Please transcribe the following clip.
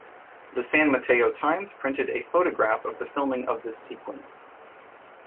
The "San Mateo Times" printed a photograph of the filming of this sequence.